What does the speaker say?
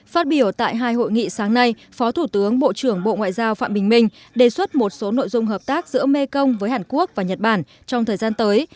phát biểu tại hai hội nghị sáng nay phó thủ tướng bộ trưởng bộ ngoại giao phạm bình minh đề xuất một số nội dung hợp tác giữa mê công với hàn quốc và nhật bản trong thời gian tới